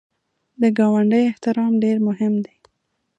د ګاونډي احترام ډېر مهم دی